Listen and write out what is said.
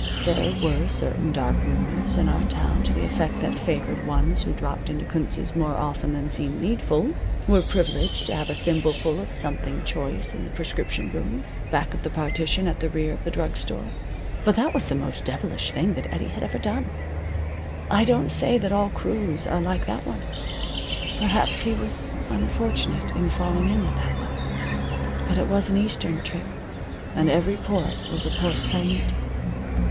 There were certain dark rumors in our town to the effect that favored ones who dropped into Kunz's more often than seemed needful were privileged to have a thimbleful of something choice in the prescription room, back of the partition at the rear of the drug store. But that was the most devilish thing that Eddie had ever done. I don't say that all crews are like that one. Perhaps he was unfortunate in falling in with that one. But it was an Eastern trip, and every port was a Port Said.